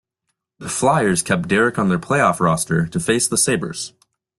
The Flyers kept Derek on their playoff roster to face the Sabres.